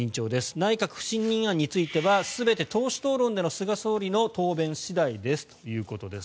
内閣不信任案については全て党首討論での菅総理の答弁次第ということです。